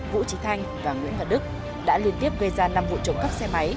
vũ trí thanh và nguyễn văn đức đã liên tiếp gây ra năm vụ trộm cắp xe máy